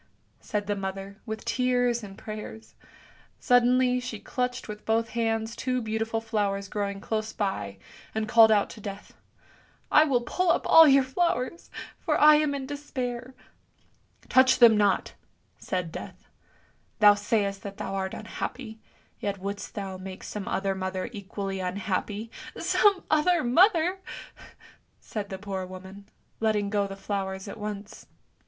said the mother, with tears and prayers; suddenly she clutched with both hands two beautiful flowers growing close by, and called out to Death, " I will pull up all your flowers, for I am in despair! " "Touch them not! " said Death. 'Thou sayst that thou art unhappy, yet wouldst thou make some other mother equally unhappy !"" Some other mother! " said the poor woman, letting go the flowers at once.